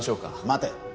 待て。